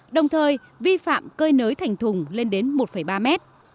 đồng thời vi phạm cơi nới thành thùng lên đến một ba mét